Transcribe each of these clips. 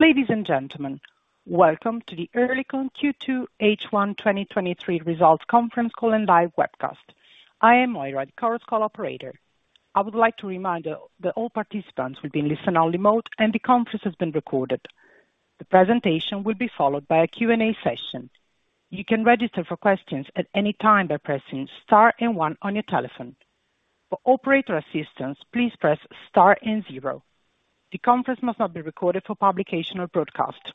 Ladies and gentlemen, welcome to the Oerlikon Q2 H1 2023 Results Conference Call and Live Webcast. I am Oira, the conference call operator. I would like to remind you that all participants will be in listen-only mode, and the conference is being recorded. The presentation will be followed by a Q&A session. You can register for questions at any time by pressing star and one on your telephone. For operator assistance, please press star and zero. The conference must not be recorded for publication or broadcast.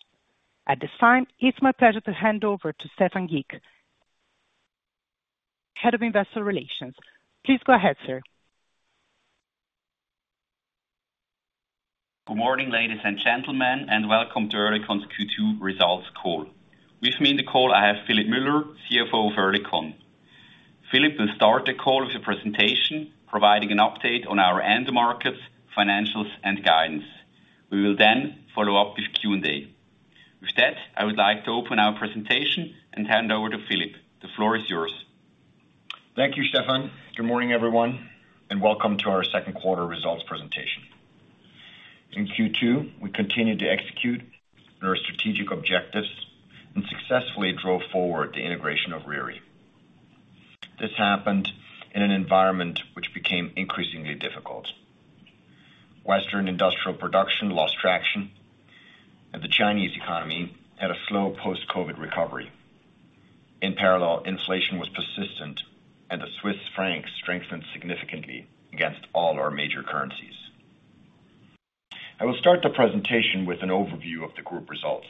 At this time, it's my pleasure to hand over to Stephan Gick, Head of Investor Relations. Please go ahead, sir. Good morning, ladies and gentlemen, and welcome to Oerlikon's Q2 Results Call. With me in the call, I have Philipp Müller, CFO of Oerlikon. Philipp will start the call with a presentation, providing an update on our end markets, financials, and guidance. We will follow up with Q&A. With that, I would like to open our presentation and hand over to Philipp. The floor is yours. Thank you, Stephan. Good morning, everyone, welcome to our Second Quarter Results Presentation. In Q2, we continued to execute on our strategic objectives and successfully drove forward the integration of Riri. This happened in an environment which became increasingly difficult. Western industrial production lost traction, and the Chinese economy had a slow post-COVID recovery. In parallel, inflation was persistent and the Swiss franc strengthened significantly against all our major currencies. I will start the presentation with an overview of the group results,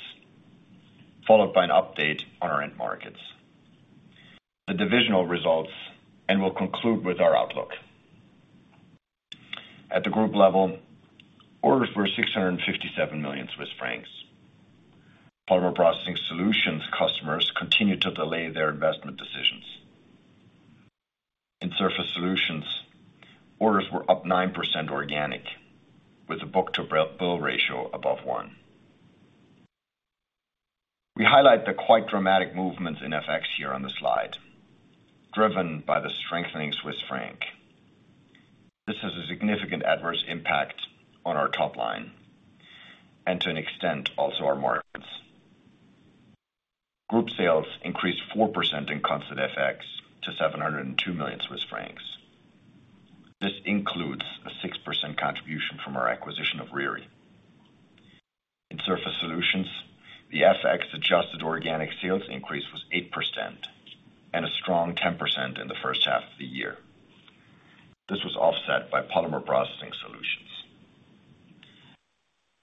followed by an update on our end markets, the divisional results, and we'll conclude with our outlook. At the group level, orders were 657 million Swiss francs. Polymer Processing Solutions customers continued to delay their investment decisions. In Surface Solutions, orders were up 9% organic, with a book-to-bill ratio above one. We highlight the quite dramatic movements in FX here on the slide, driven by the strengthening Swiss franc. This has a significant adverse impact on our top line and to an extent, also our markets. Group sales increased 4% in constant FX to 702 million Swiss francs. This includes a 6% contribution from our acquisition of Riri. In Surface Solutions, the FX-adjusted organic sales increase was 8% and a strong 10% in the first half of the year. This was offset by Polymer Processing Solutions.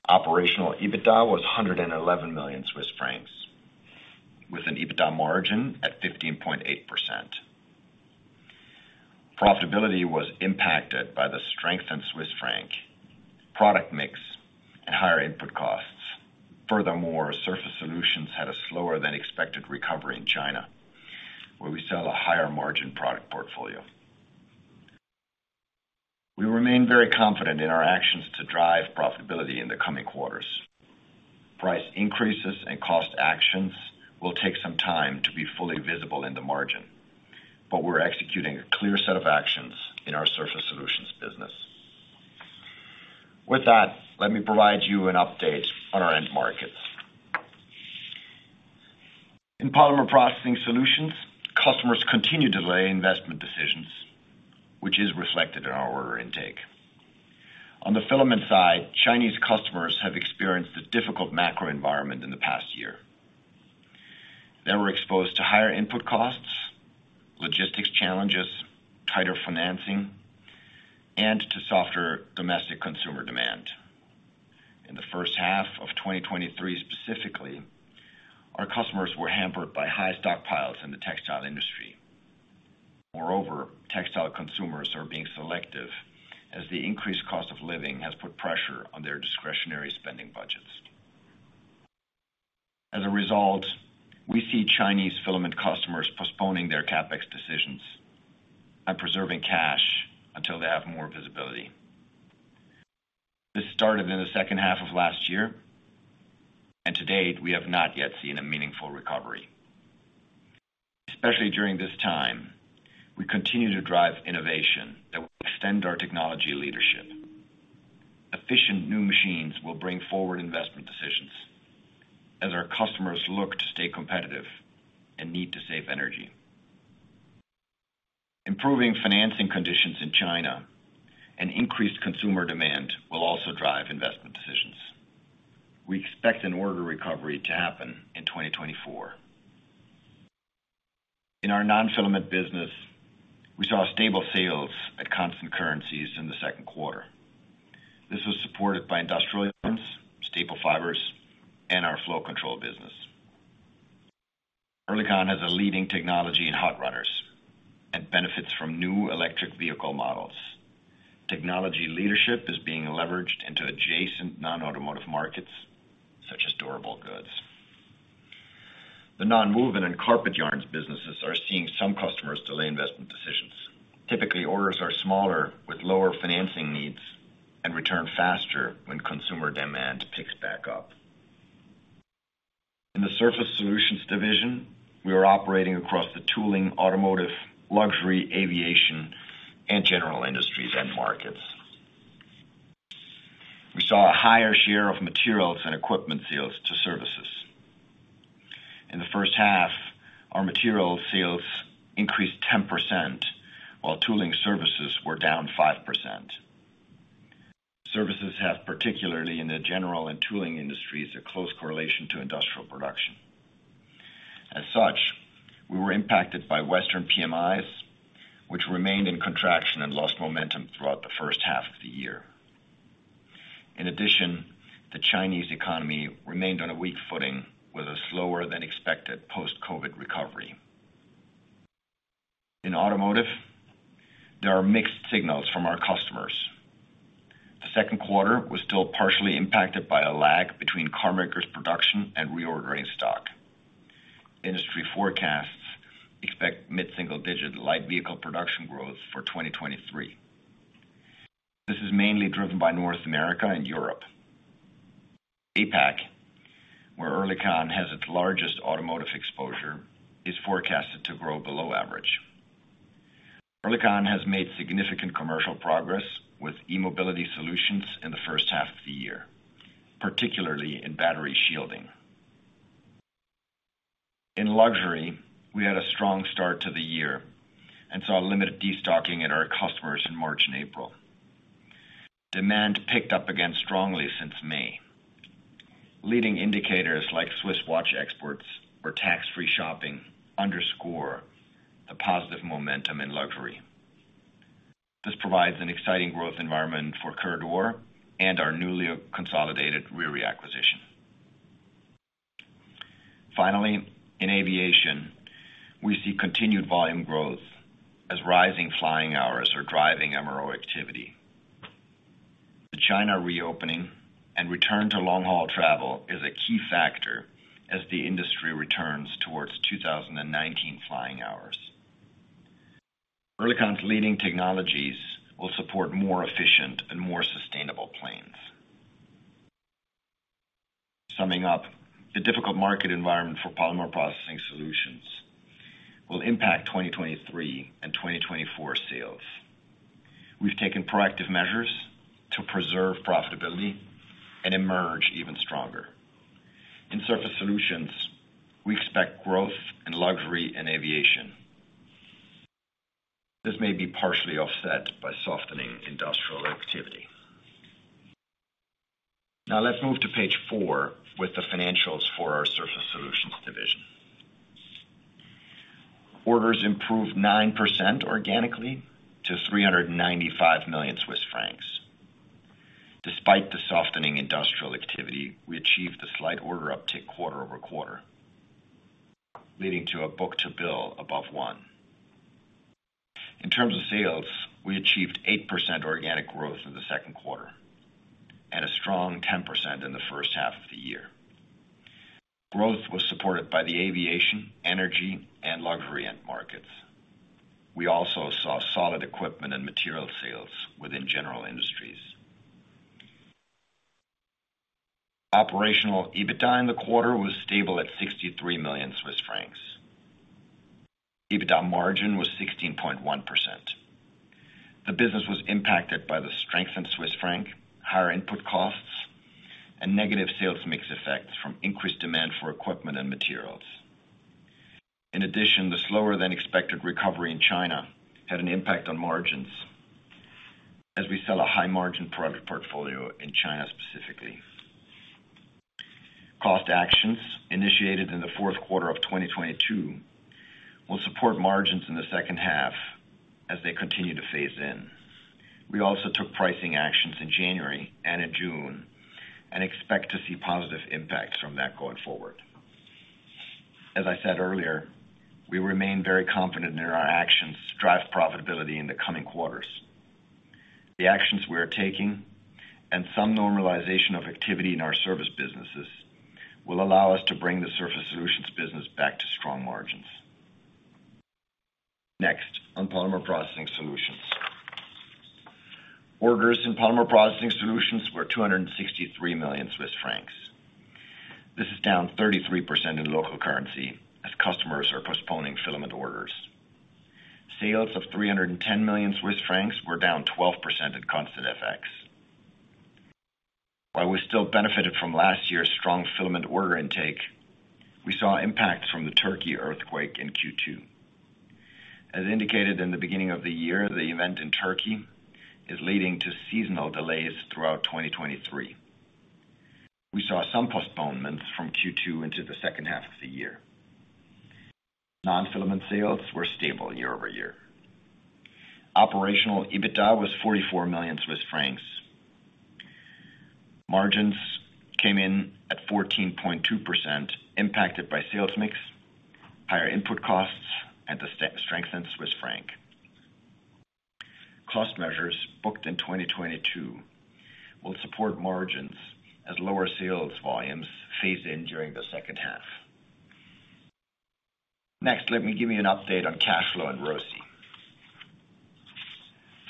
Operational EBITDA was 111 million Swiss francs, with an EBITDA margin at 15.8%. Profitability was impacted by the strength in Swiss franc, product mix and higher input costs. Furthermore, Surface Solutions had a slower than expected recovery in China, where we sell a higher margin product portfolio. We remain very confident in our actions to drive profitability in the coming quarters. Price increases and cost actions will take some time to be fully visible in the margin, but we're executing a clear set of actions in our Surface Solutions business. With that, let me provide you an update on our end markets. In Polymer Processing Solutions, customers continue to delay investment decisions, which is reflected in our order intake. On the filament side, Chinese customers have experienced a difficult macro environment in the past year. They were exposed to higher input costs, logistics challenges, tighter financing, and to softer domestic consumer demand. In the first half of 2023, specifically, our customers were hampered by high stockpiles in the textile industry. Moreover, textile consumers are being selective as the increased cost of living has put pressure on their discretionary spending budgets. As a result, we see Chinese filament customers postponing their CapEx decisions and preserving cash until they have more visibility. This started in the second half of last year, and to date, we have not yet seen a meaningful recovery. Especially during this time, we continue to drive innovation that will extend our technology leadership. Efficient new machines will bring forward investment decisions as our customers look to stay competitive and need to save energy. Improving financing conditions in China and increased consumer demand will also drive investment decisions. We expect an order recovery to happen in 2024. In our non-filament business, we saw stable sales at constant currencies in the second quarter. This was supported by industrial yarns, staple fibers, and our flow control business. Oerlikon has a leading technology in hot runners and benefits from new electric vehicle models. Technology leadership is being leveraged into adjacent non-automotive markets, such as durable goods. The nonwoven and carpet yarns businesses are seeing some customers delay investment decisions. Typically, orders are smaller, with lower financing needs and return faster when consumer demand picks back up. In the Surface Solutions division, we are operating across the tooling, automotive, luxury, aviation, and general industries and markets. We saw a higher share of materials and equipment sales to services. In the first half, our material sales increased 10%, while tooling services were down 5%. Services have, particularly in the general and tooling industries, a close correlation to industrial production. As such, we were impacted by Western PMIs, which remained in contraction and lost momentum throughout the first half of the year. In addition, the Chinese economy remained on a weak footing, with a slower than expected post-COVID recovery. In automotive, there are mixed signals from our customers. The second quarter was still partially impacted by a lag between carmakers production and reordering stock. Industry forecasts expect mid-single-digit light vehicle production growth for 2023. This is mainly driven by North America and Europe. APAC, where Oerlikon has its largest automotive exposure, is forecasted to grow below average. Oerlikon has made significant commercial progress with e-mobility solutions in the first half of the year, particularly in battery shielding. In luxury, we had a strong start to the year and saw a limited destocking in our customers in March and April. Demand picked up again strongly since May. Leading indicators like Swiss watch exports or tax-free shopping underscore the positive momentum in luxury. This provides an exciting growth environment for Kerdor and our newly consolidated Riri acquisition. Finally, in aviation, we see continued volume growth as rising flying hours are driving MRO activity. The China reopening and return to long-haul travel is a key factor as the industry returns towards 2019 flying hours. Oerlikon's leading technologies will support more efficient and more sustainable planes. Summing up, the difficult market environment for Polymer Processing Solutions will impact 2023 and 2024 sales. We've taken proactive measures to preserve profitability and emerge even stronger. In Surface Solutions, we expect growth in luxury and aviation. This may be partially offset by softening industrial activity. Now let's move to page four with the financials for our Surface Solutions division. Orders improved 9% organically to 395 million Swiss francs. Despite the softening industrial activity, we achieved a slight order uptick quarter-over-quarter, leading to a book-to-bill above one. In terms of sales, we achieved 8% organic growth in the Q2 and a strong 10% in the first half of the year. Growth was supported by the aviation, energy, and luxury end markets. We also saw solid equipment and material sales within general industries. Operational EBITDA in the quarter was stable at 63 million Swiss francs. EBITDA margin was 16.1%. The business was impacted by`` the strengthened Swiss franc, higher input costs, and negative sales mix effects from increased demand for equipment and materials. In addition, the slower-than-expected recovery in China had an impact on margins as we sell a high-margin product portfolio in China, specifically. Cost actions initiated in the Q4 of 2022 will support margins in the second half as they continue to phase in. We also took pricing actions in January and in June. Expect to see positive impacts from that going forward. As I said earlier, we remain very confident in our actions to drive profitability in the coming quarters. The actions we are taking and some normalization of activity in our service businesses will allow us to bring the Surface Solutions business back to strong margins. Next, on Polymer Processing Solutions. Orders in Polymer Processing Solutions were 263 million Swiss francs. This is down 33% in local currency, as customers are postponing filament orders. Sales of 310 million Swiss francs were down 12% in constant FX. While we still benefited from last year's strong filament order intake, we saw impacts from the Turkey earthquake in Q2. As indicated in the beginning of the year, the event in Turkey is leading to seasonal delays throughout 2023. We saw some postponements from Q2 into the second half of the year. Non-filament sales were stable year-over-year. Operational EBITDA was CHF 44 million. Margins came in at 14.2%, impacted by sales mix, higher input costs, and the strength in Swiss franc. Cost measures booked in 2022 will support margins as lower sales volumes phase in during the second half. Let me give you an update on cash flow and ROCE.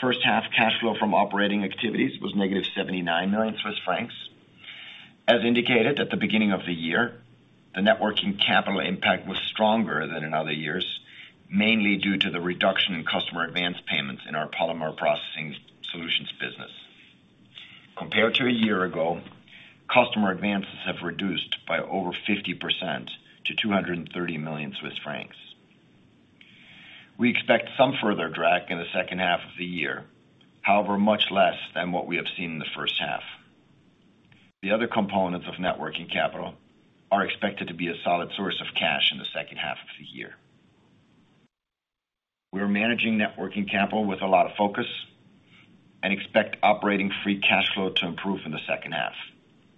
First half cash flow from operating activities was negative 79 million Swiss francs. As indicated at the beginning of the year, the net working capital impact was stronger than in other years, mainly due to the reduction in customer advance payments in our Polymer Processing Solutions business. Compared to a year ago, customer advances have reduced by over 50% to 230 million Swiss francs. We expect some further drag in the second half of the year, however, much less than what we have seen in the first half. The other components of net working capital are expected to be a solid source of cash in the second half of the year. We are managing net working capital with a lot of focus and expect operating free cash flow to improve in the second half,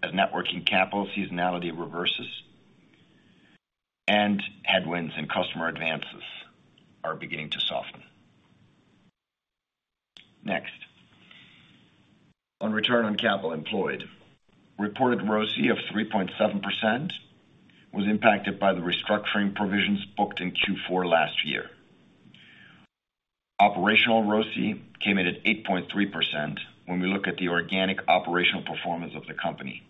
as net working capital seasonality reverses and headwinds and customer advances are beginning to soften. Next, on return on capital employed. Reported ROCE of 3.7% was impacted by the restructuring provisions booked in Q4 last year. Operational ROCE came in at 8.3% when we look at the organic operational performance of the company.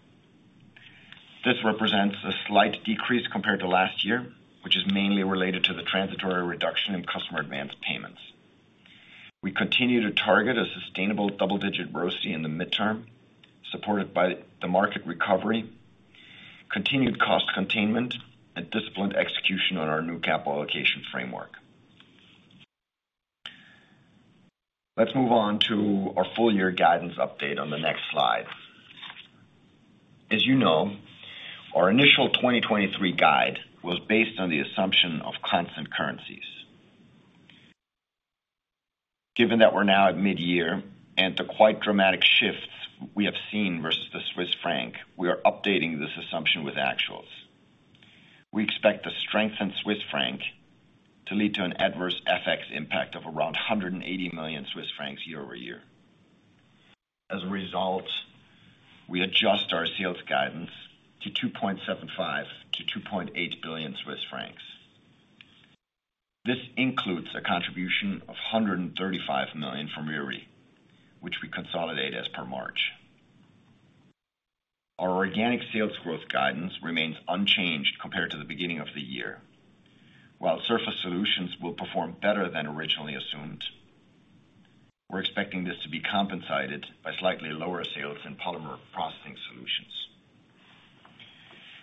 This represents a slight decrease compared to last year, which is mainly related to the transitory reduction in customer advance payments. We continue to target a sustainable double-digit ROCE in the midterm, supported by the market recovery, continued cost containment, and disciplined execution on our new capital allocation framework. Let's move on to our full year guidance update on the next slide. As you know, our initial 2023 guide was based on the assumption of constant currencies. Given that we're now at midyear and the quite dramatic shifts we have seen versus the Swiss franc, we are updating this assumption with actuals. We expect the strengthened Swiss franc to lead to an adverse FX impact of around 180 million Swiss francs year-over-year. As a result, we adjust our sales guidance to 2.75 billion-2.8 billion Swiss francs. This includes a contribution of 135 million from Riri, which we consolidate as per March. Our organic sales growth guidance remains unchanged compared to the beginning of the year. While Surface Solutions will perform better than originally assumed, we're expecting this to be compensated by slightly lower sales in Polymer Processing Solutions.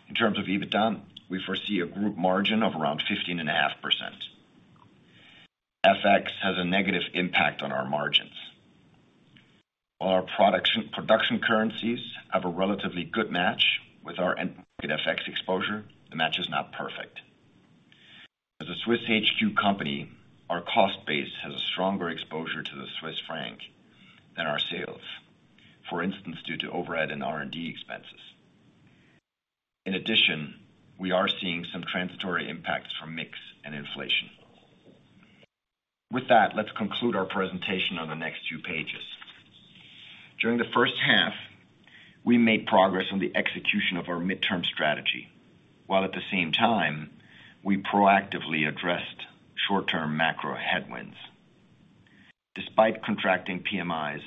In terms of EBITDA, we foresee a group margin of around 15.5%. FX has a negative impact on our margins. While our production currencies have a relatively good match with our FX exposure, the match is not perfect. As a Swiss HQ company, our cost base has a stronger exposure to the Swiss franc than our sales, for instance, due to overhead and R&D expenses. In addition, we are seeing some transitory impacts from mix and inflation. With that, let's conclude our presentation on the next two pages. During the first half, we made progress on the execution of our mid-term strategy, while at the same time, we proactively addressed short-term macro headwinds. Despite contracting PMIs,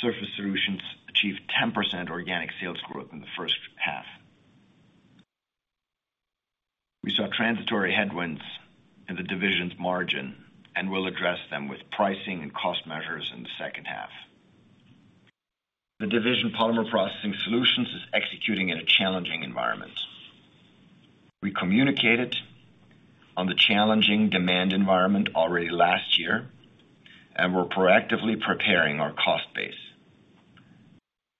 Surface Solutions achieved 10% organic sales growth in the first half. We saw transitory headwinds in the division's margin, and we'll address them with pricing and cost measures in the second half. The division Polymer Processing Solutions is executing in a challenging environment. We communicated on the challenging demand environment already last year, and we're proactively preparing our cost base.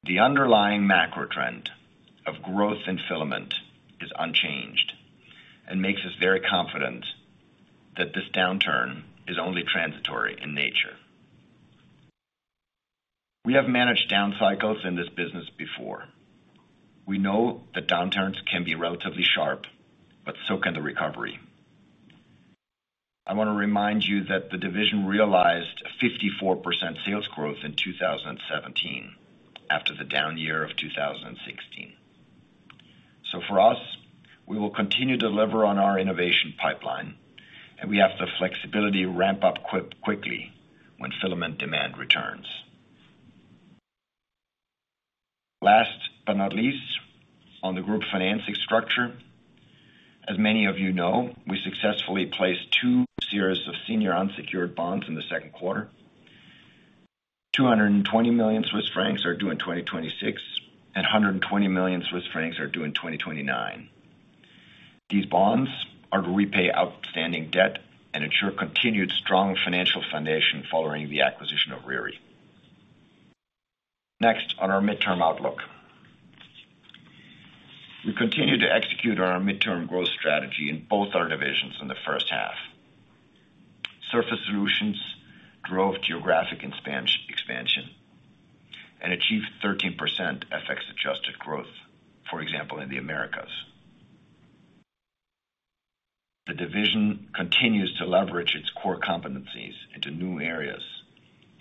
The underlying macro trend of growth in filament is unchanged and makes us very confident that this downturn is only transitory in nature. We have managed down cycles in this business before. We know that downturns can be relatively sharp, but so can the recovery. I want to remind you that the division realized 54% sales growth in 2017, after the down year of 2016. For us, we will continue to deliver on our innovation pipeline, and we have the flexibility to ramp up quickly when filament demand returns. Last but not least, on the group financing structure. As many of you know, we successfully placed two series of senior unsecured bonds in the second quarter. 220 million Swiss francs are due in 2026, and 120 million Swiss francs are due in 2029. These bonds are to repay outstanding debt and ensure continued strong financial foundation following the acquisition of Riri. On our midterm outlook. We continued to execute our midterm growth strategy in both our divisions in the first half. Surface Solutions drove geographic expansion and achieved 13% FX-adjusted growth, for example, in the Americas. The division continues to leverage its core competencies into new areas,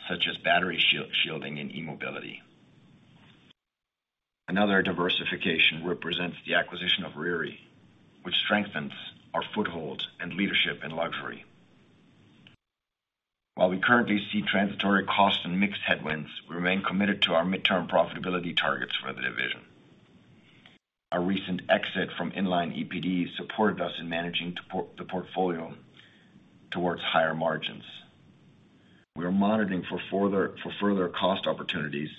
such as battery shielding, and e-mobility. Another diversification represents the acquisition of Riri, which strengthens our foothold and leadership in luxury. While we currently see transitory cost and mixed headwinds, we remain committed to our midterm profitability targets for the division. Our recent exit from inline EPD supported us in managing to port, the portfolio towards higher margins. We are monitoring for further cost opportunities,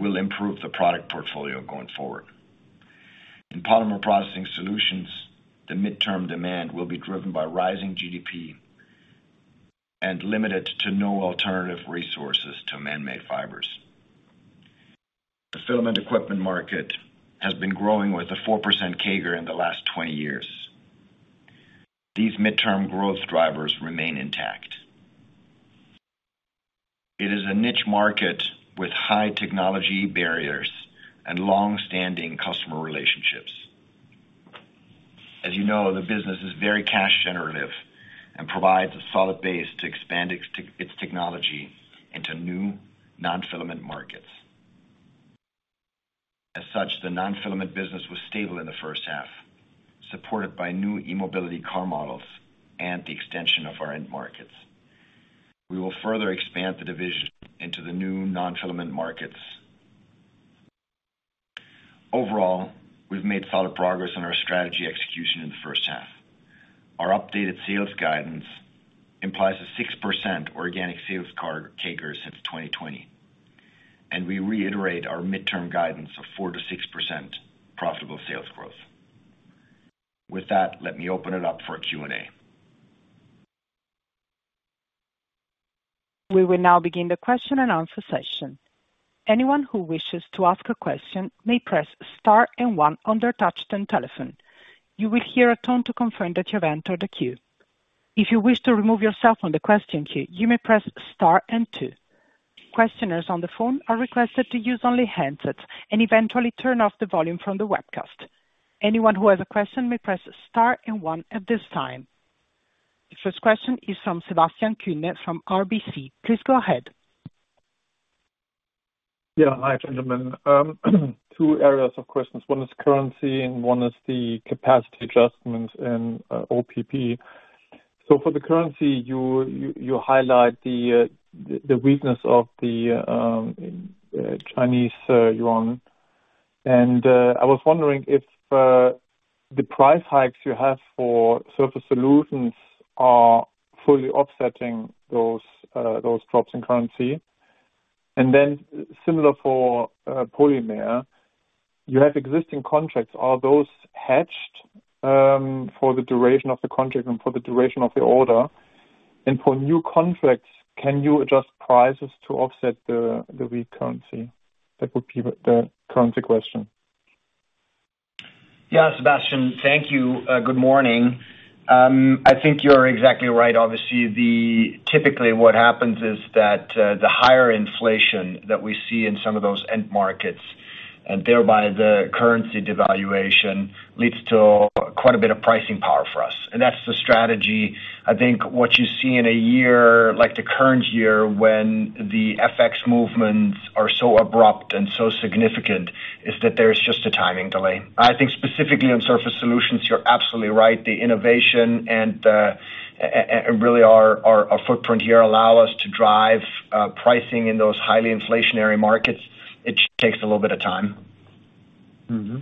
will improve the product portfolio going forward. In Polymer Processing Solutions, the midterm demand will be driven by rising GDP and limited to no alternative resources to man-made fibers. The filament equipment market has been growing with a 4% CAGR in the last 20 years. These midterm growth drivers remain intact. It is a niche market with high technology barriers and long-standing customer relationships. As you know, the business is very cash generative and provides a solid base to expand its technology into new non-filament markets. As such, the non-filament business was stable in the first half, supported by new e-mobility car models and the extension of our end markets. We will further expand the division into the new non-filament markets. Overall, we've made solid progress on our strategy execution in the first half. Our updated sales guidance implies a 6% organic sales car CAGR since 2020, and we reiterate our midterm guidance of 4%-6% profitable sales growth. With that, let me open it up for a Q&A. We will now begin the question and answer session. Anyone who wishes to ask a question may press star and one on their touchtone telephone. You will hear a tone to confirm that you've entered the queue. If you wish to remove yourself from the question queue, you may press star and two. Questioners on the phone are requested to use only handsets and eventually turn off the volume from the webcast. Anyone who has a question may press star and one at this time. The first question is from Sebastian Kuenne from RBC. Please go ahead. Yeah. Hi, gentlemen. Two areas of questions. One is currency, and one is the capacity adjustments in OPP. For the currency, you, you, you highlight the weakness of the Chinese yuan. I was wondering if the price hikes you have for Surface Solutions are fully offsetting those drops in currency. Then similar for polymer, you have existing contracts. Are those hedged for the duration of the contract and for the duration of the order? For new contracts, can you adjust prices to offset the weak currency? That would be the current question. Yeah, Sebastian, thank you. Good morning. I think you're exactly right. Obviously, the typically, what happens is that the higher inflation that we see in some of those end markets, and thereby the currency devaluation, leads to quite a bit of pricing power for us. And that's the strategy. I think what you see in a year, like the current year, when the FX movements are so abrupt and so significant, is that there's just a timing delay. I think specifically on Surface Solutions, you're absolutely right. The innovation and really our, our, our footprint here allow us to drive pricing in those highly inflationary markets. It just takes a little bit of time. Mm-hmm.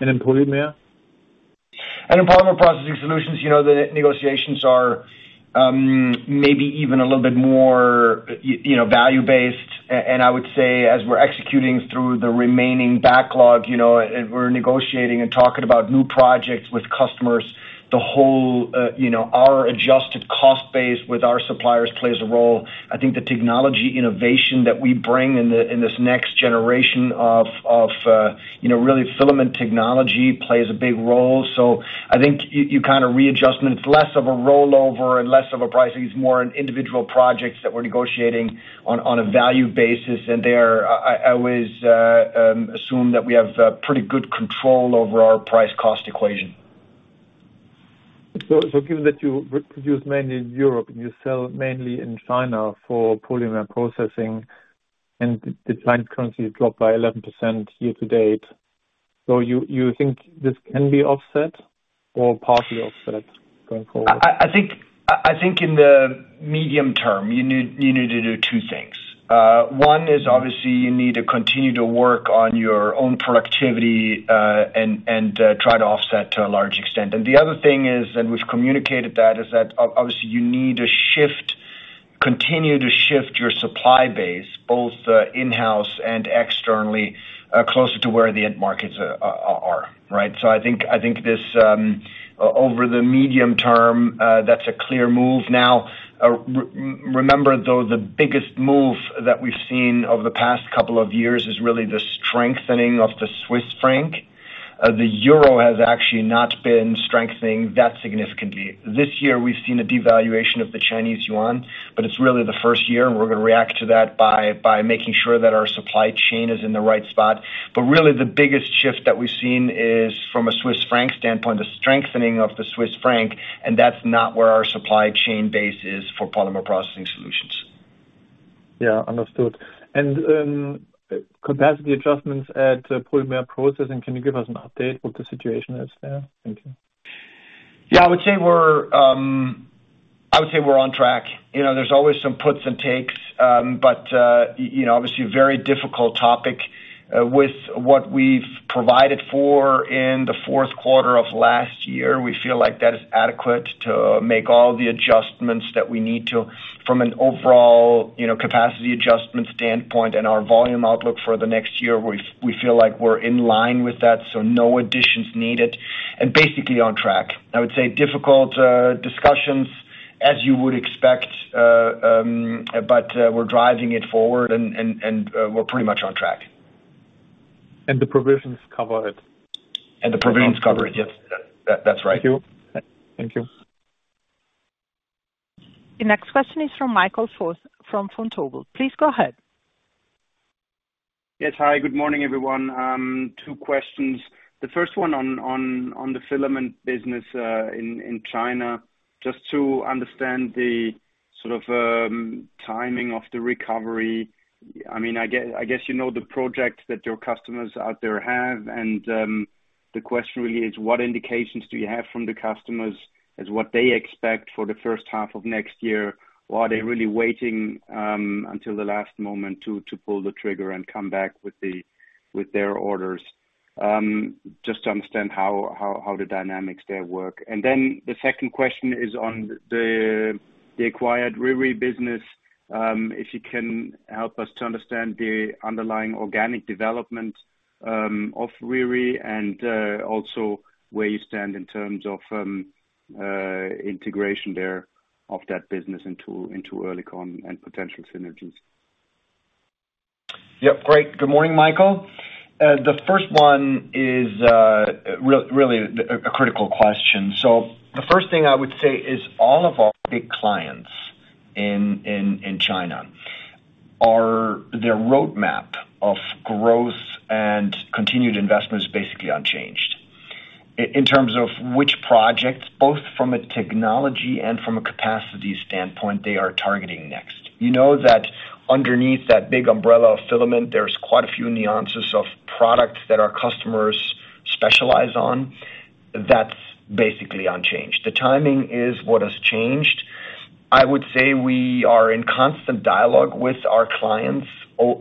In polymer? In Polymer Processing Solutions, you know, the negotiations are maybe even a little bit more, you know, value based. I would say, as we're executing through the remaining backlog, you know, and we're negotiating and talking about new projects with customers, the whole, you know, our adjusted cost base with our suppliers plays a role. I think the technology innovation that we bring in the, in this next generation of, of, you know, really filament technology plays a big role. I think kind of readjustment, it's less of a rollover and less of a pricing. It's more an individual projects that we're negotiating on, on a value basis. There, I always assume that we have pretty good control over our price cost equation. Given that you produce mainly in Europe, and you sell mainly in China for polymer processing, and the Chinese currency dropped by 11% year-to-date, you think this can be offset or partly offset going forward? I think, I think in the medium term, you need, you need to do two things. One is, obviously, you need to continue to work on your own productivity, and, and, try to offset to a large extent. The other thing is, and we've communicated that, is that obviously you need to shift, continue to shift your supply base, both in-house and externally, closer to where the end markets are, right? I think, I think this over the medium term, that's a clear move. Remember, though, the biggest move that we've seen over the past couple of years is really the strengthening of the Swiss franc. The euro has actually not been strengthening that significantly. This year, we've seen a devaluation of the Chinese yuan, but it's really the first year, and we're going to react to that by, by making sure that our supply chain is in the right spot. Really, the biggest shift that we've seen is from a Swiss franc standpoint, the strengthening of the Swiss franc, and that's not where our supply chain base is for Polymer Processing Solutions. Yeah, understood. Capacity adjustments at Polymer Processing Solutions, can you give us an update what the situation is there? Thank you. Yeah, I would say we're, I would say we're on track. You know, there's always some puts and takes, but, you know, obviously a very difficult topic with what we've provided for in the fourth quarter of last year. We feel like that is adequate to make all the adjustments that we need to, from an overall, you know, capacity adjustment standpoint and our volume outlook for the next year, we, we feel like we're in line with that, so no additions needed. Basically on track. I would say difficult discussions, as you would expect, but we're driving it forward and, and, and, we're pretty much on track. The provisions cover it? The provisions cover it. Yes, that, that's right. Thank you. Thank you. The next question is from Michael Foeth, from Vontobel. Please go ahead. Yes. Hi, good morning, everyone. Two questions. The first one on, on, on the filament business in China, just to understand the sort of timing of the recovery. I mean, I get, I guess you know, the projects that your customers out there have, and the question really is, what indications do you have from the customers as what they expect for the first half of next year? Are they really waiting until the last moment to, to pull the trigger and come back with the- with their orders? Just to understand how, how, how the dynamics there work. Then the second question is on the, the acquired Riri business. If you can help us to understand the underlying organic development of Riri, and also where you stand in terms of integration there of that business into, into Oerlikon and potential synergies? Yep. Great. Good morning, Michael. The first one is, really a, a critical question. The first thing I would say is, all of our big clients in, in, in China, are. Their roadmap of growth and continued investment is basically unchanged. In terms of which projects, both from a technology and from a capacity standpoint, they are targeting next. You know that underneath that big umbrella of filament, there's quite a few nuances of products that our customers specialize on. That's basically unchanged. The timing is what has changed. I would say we are in constant dialogue with our clients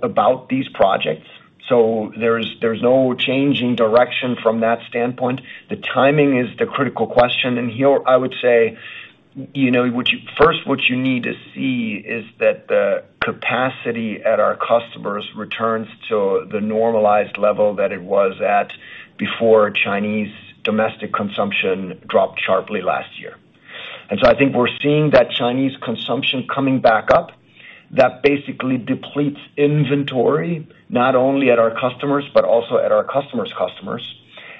about these projects, so there's, there's no change in direction from that standpoint. The timing is the critical question, and here, I would say, you know, what you first, what you need to see is that the capacity at our customers returns to the normalized level that it was at before Chinese domestic consumption dropped sharply last year. So I think we're seeing that Chinese consumption coming back up, that basically depletes inventory, not only at our customers, but also at our customers, customers.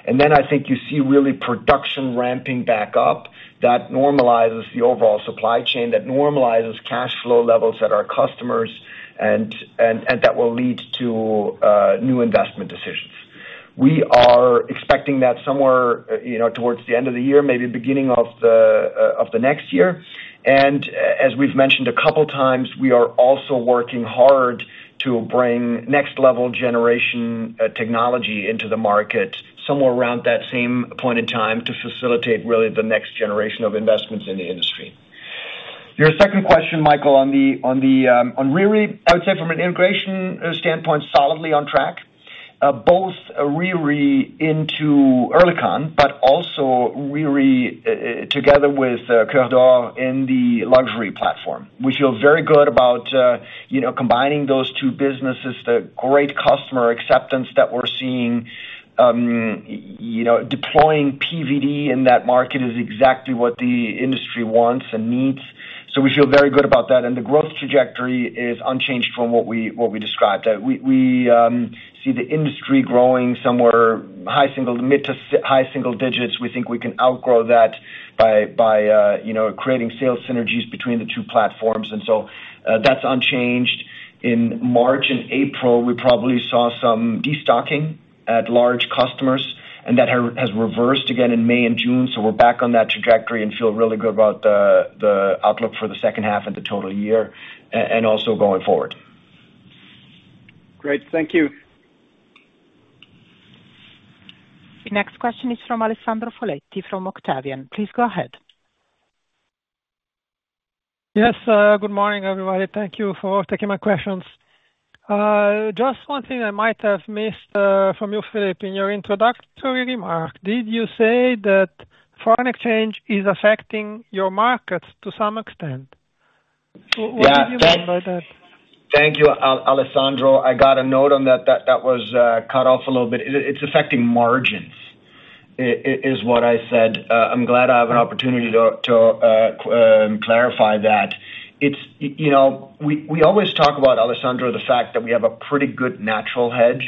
Then, I think you see really production ramping back up, that normalizes the overall supply chain, that normalizes cash flow levels at our customers and, and, and that will lead to new investment decisions. We are expecting that somewhere, you know, towards the end of the year, maybe beginning of the of the next year. As we've mentioned a couple times, we are also working hard to bring next level generation technology into the market, somewhere around that same point in time, to facilitate really the next generation of investments in the industry. Your second question, Michael, on the, on the, on Riri, I would say from an integration standpoint, solidly on track. Both Riri into Oerlikon, but also Riri together with Kerdor in the luxury platform. We feel very good about, you know, combining those two businesses, the great customer acceptance that we're seeing. You know, deploying PVD in that market is exactly what the industry wants and needs, so we feel very good about that, and the growth trajectory is unchanged from what we, what we described. We, we, see the industry growing somewhere high single, mid to high single digits. We think we can outgrow that by, by, you know, creating sales synergies between the two platforms, and so, that's unchanged. In March and April, we probably saw some destocking at large customers, and that has, has reversed again in May and June. We're back on that trajectory and feel really good about the, the outlook for the second half and the total year, and also going forward. Great. Thank you. The next question is from Alessandro Foletti, from Octavian. Please go ahead. Yes, good morning, everybody. Thank you for taking my questions. Just one thing I might have missed from you, Philipp, in your introductory remark, did you say that foreign exchange is affecting your markets to some extent? Yeah. What did you mean by that? Thank you, Alessandro. I got a note on that, that, that was cut off a little bit. It, it's affecting margins, is what I said. I'm glad I have an opportunity to, to clarify that. It's... You know, we, we always talk about, Alessandro, the fact that we have a pretty good natural hedge,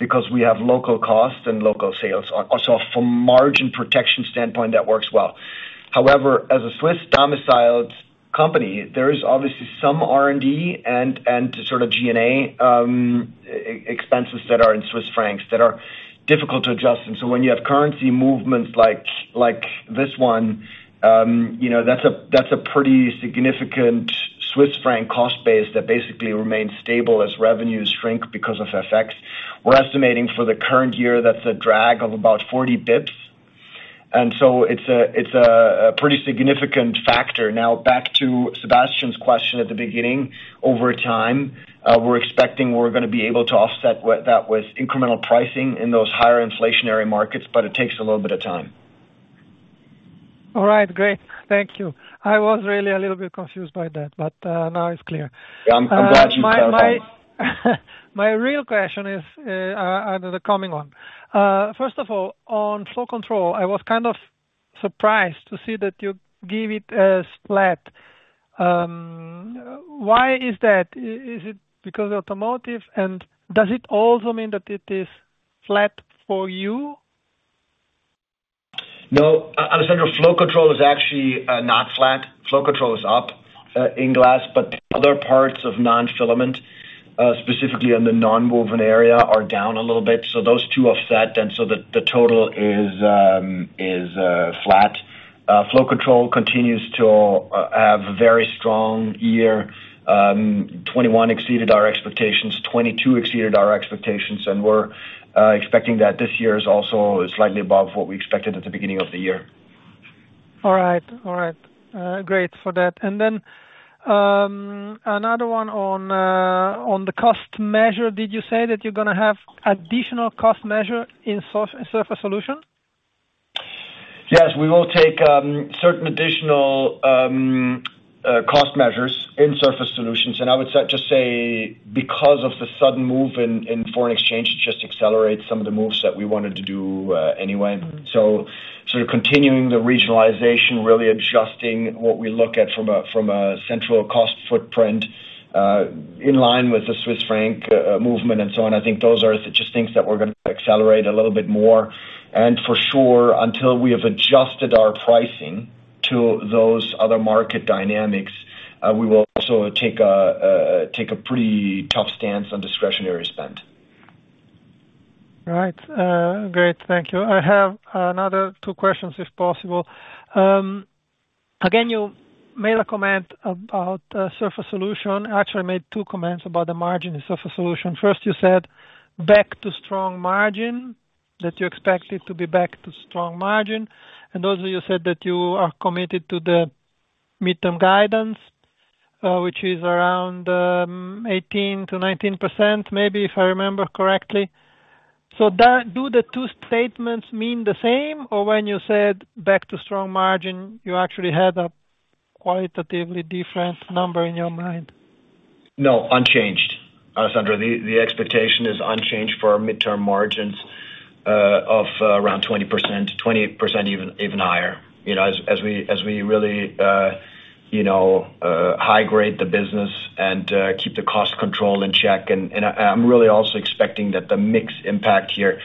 because we have local costs and local sales. Also, from margin protection standpoint, that works well. However, as a Swiss-domiciled company, there is obviously some R&D and, and sort of G&A expenses that are in Swiss francs, that are difficult to adjust. When you have currency movements like, like this one, you know, that's a, that's a pretty significant Swiss franc cost base that basically remains stable as revenues shrink because of FX. We're estimating for the current year, that's a drag of about 40 basis points. It's a, it's a, a pretty significant factor. Back to Sebastian's question at the beginning, over time, we're expecting we're gonna be able to offset that with incremental pricing in those higher inflationary markets, but it takes a little bit of time. All right, great. Thank you. I was really a little bit confused by that. Now it's clear. Yeah, I'm glad you're clear. My, my real question is, another coming one. First of all, on flow control, I was kind of surprised to see that you gave it as flat. Why is that? Is it because of automotive? And does it also mean that it is flat for you? No, A-Alessandro, flow control is actually not flat. Flow control is up in glass, but other parts of non-filament, specifically on the nonwoven area, are down a little bit. Those two offset, and so the total is flat. Flow control continues to have a very strong year. 2021 exceeded our expectations, 2022 exceeded our expectations, and we're expecting that this year is also slightly above what we expected at the beginning of the year. All right. All right. Great for that. Then, another one on the cost measure. Did you say that you're gonna have additional cost measure in Surface Solutions? Yes, we will take certain additional cost measures in Surface Solutions, and I would just say, because of the sudden move in foreign exchange, it just accelerates some of the moves that we wanted to do anyway. Sort of continuing the regionalization, really adjusting what we look at from a central cost footprint, in line with the Swiss franc movement and so on. I think those are just things that we're gonna accelerate a little bit more. For sure, until we have adjusted our pricing to those other market dynamics, we will also take a pretty tough stance on discretionary spend. All right. Great. Thank you. I have another two questions, if possible. Again, you made a comment about Surface Solutions. Actually, you made two comments about the margin in Surface Solutions. First, you said, "Back to strong margin," that you expect it to be back to strong margin. Also, you said that you are committed to the midterm guidance, which is around 18%-19%, maybe, if I remember correctly. Do, do the two statements mean the same? Or when you said, "Back to strong margin," you actually had a qualitatively different number in your mind? No, unchanged. Alessandro, the, the expectation is unchanged for our mid-term margins, of, around 20%, 20%, even, even higher. You know, as, as we, as we really, you know, high grade the business and, keep the cost control in check. I'm really also expecting that the mix impact here,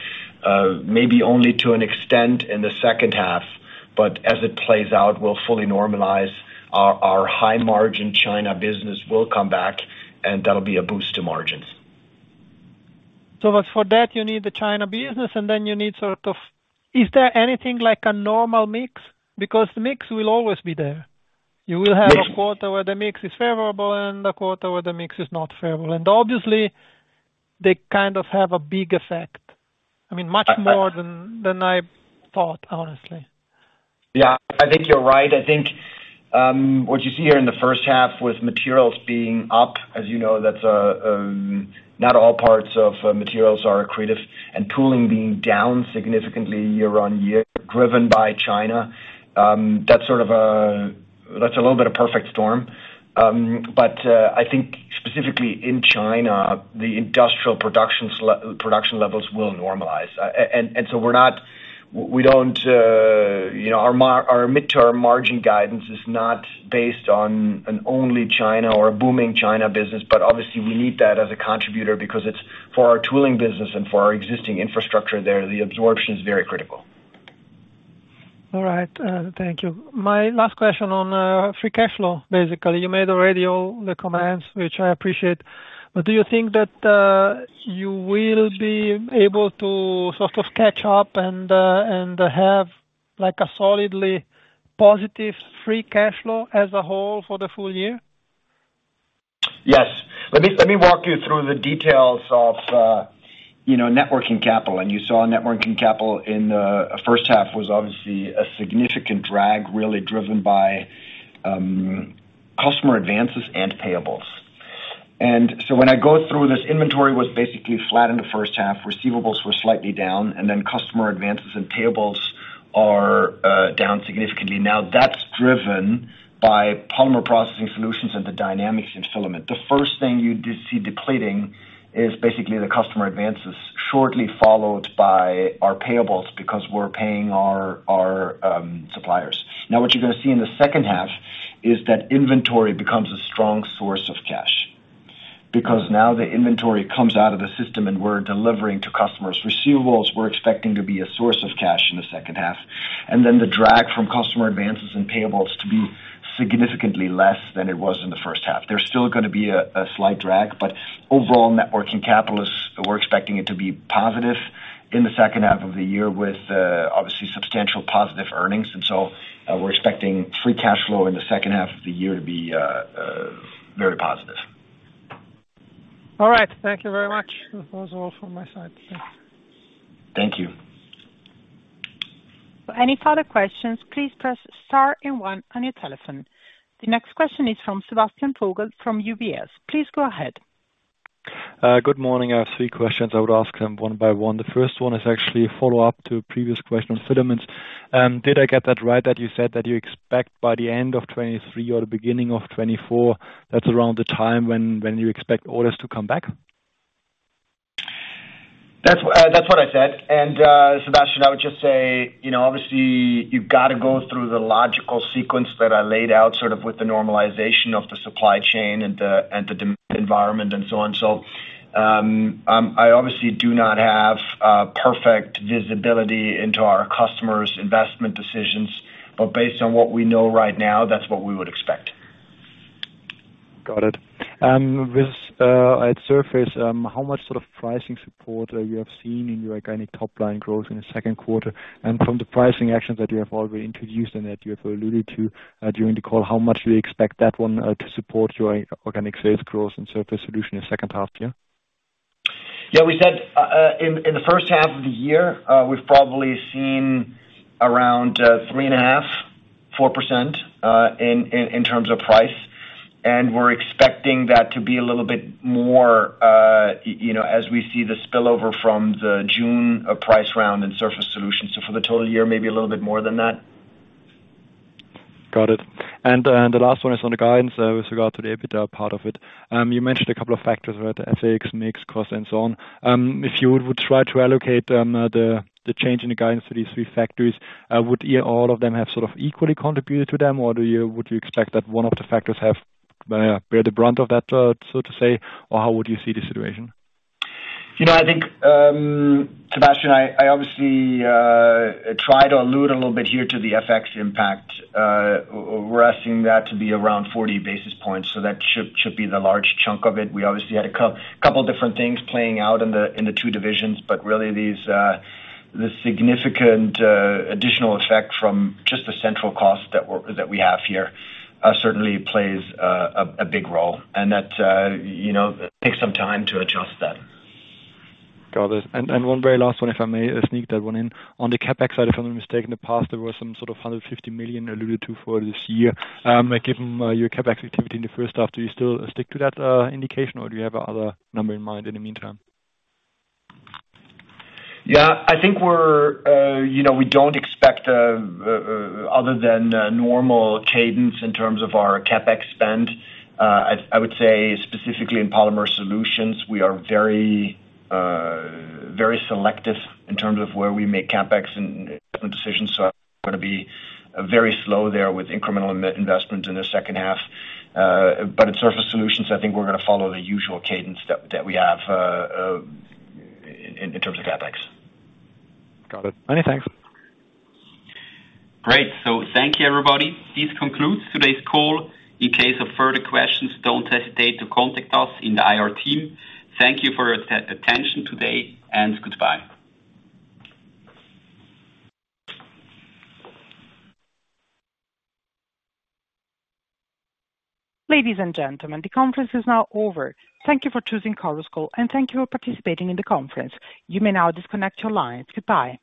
maybe only to an extent in the second half, but as it plays out, we'll fully normalize our, our high margin China business will come back, and that'll be a boost to margins. But for that, you need the China business, and then you need sort of... Is there anything like a normal mix? Because the mix will always be there. Mix- You will have a quarter where the mix is favorable and a quarter where the mix is not favorable. Obviously, they kind of have a big effect, I mean, much more than I thought, honestly. Yeah, I think you're right. I think, what you see here in the first half with materials being up, as you know, that's, not all parts of materials are accretive, and tooling being down significantly year-on-year, driven by China, that's sort of a- that's a little bit of perfect storm. I think specifically in China, the industrial production levels will normalize. So we're not-- we don't, you know, our mid-term margin guidance is not based on an only China or a booming China business, but obviously, we need that as a contributor because it's for our tooling business and for our existing infrastructure there, the absorption is very critical. All right, thank you. My last question on free cash flow, basically. You made already all the comments, which I appreciate. Do you think that you will be able to sort of catch up and have, like, a solidly positive free cash flow as a whole for the full year? Yes. Let me, let me walk you through the details of, you know, net working capital. You saw net working capital in the first half was obviously a significant drag, really driven by customer advances and payables. When I go through this, inventory was basically flat in the first half, receivables were slightly down, and then customer advances and payables are down significantly. Now, that's driven by Polymer Processing Solutions and the dynamics in filament. The first thing you did see depleting is basically the customer advances, shortly followed by our payables, because we're paying our, our suppliers. Now, what you're gonna see in the second half is that inventory becomes a strong source of cash, because now the inventory comes out of the system, and we're delivering to customers. Receivables, we're expecting to be a source of cash in the second half, and then the drag from customer advances and payables significantly less than it was in the first half. There's still gonna be a slight drag, but overall net working capital, we're expecting it to be positive in the second half of the year, with obviously substantial positive earnings. So, we're expecting free cash flow in the second half of the year to be very positive. All right. Thank you very much. That was all from my side, so. Thank you. Any further questions, please press star and one on your telephone. The next question is from Sebastian Vogel from UBS. Please go ahead. Good morning. I have three questions, I would ask them one by one. The first one is actually a follow-up to a previous question on filaments. Did I get that right that you said that you expect by the end of 2023 or the beginning of 2024, that's around the time when, when you expect orders to come back? That's, that's what I said. Sebastian, I would just say, you know, obviously, you've got to go through the logical sequence that I laid out, sort of with the normalization of the supply chain and the, and the demand environment, and so on. I obviously do not have, perfect visibility into our customers' investment decisions, but based on what we know right now, that's what we would expect. Got it. With at Surface Solutions, how much sort of pricing support you have seen in your organic top line growth in the second quarter? From the pricing actions that you have already introduced and that you have alluded to during the call, how much do you expect that one to support your organic sales growth and Surface Solutions in the second half year? Yeah, we said, in the first half of the year, we've probably seen around 3.5%-4% in terms of price. We're expecting that to be a little bit more, you know, as we see the spillover from the June price round in Surface Solutions. For the total year, maybe a little bit more than that. Got it. The last one is on the guidance, with regard to the EBITDA part of it. You mentioned a couple of factors, right? The FX, mix, cost, and so on. If you would try to allocate, the, the change in the guidance to these three factors, would all of them have sort of equally contributed to them, or would you expect that one of the factors have, bear the brunt of that, so to say, or how would you see the situation? You know, I think, Sebastian, I, I obviously try to allude a little bit here to the FX impact. We're assuming that to be around 40 basis points, that should, should be the large chunk of it. We obviously had a couple different things playing out in the, in the two divisions, but really these, the significant, additional effect from just the central cost that we have here, certainly plays a big role. That, you know, takes some time to adjust that. Got it. One very last one, if I may, sneak that one in. On the CapEx side, if I'm not mistaken, in the past, there was some sort of 150 million alluded to for this year. Given your CapEx activity in the first half, do you still stick to that indication, or do you have other number in mind in the meantime? Yeah, I think we're, you know, we don't expect, other than a normal cadence in terms of our CapEx spend. I, I would say, specifically in Polymer Solutions, we are very, very selective in terms of where we make CapEx and decisions. Gonna be very slow there with incremental investments in the second half. In Surface Solutions, I think we're gonna follow the usual cadence that, that we have, in, in terms of CapEx. Got it. Many thanks. Great. Thank you, everybody. This concludes today's call. In case of further questions, don't hesitate to contact us in the IR team. Thank you for your attention today, and goodbye. Ladies and gentlemen, the conference is now over. Thank you for choosing Chorus Call, and thank you for participating in the conference. You may now disconnect your lines. Goodbye.